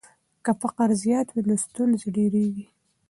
که فقر زیات وي نو ستونزې ډېریږي.